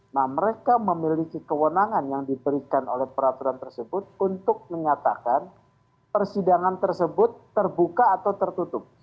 nah mereka memiliki kewenangan yang diberikan oleh peraturan tersebut untuk menyatakan persidangan tersebut terbuka atau tertutup